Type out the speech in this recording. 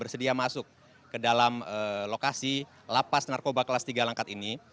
bersedia masuk ke dalam lokasi lapas narkoba kelas tiga langkat ini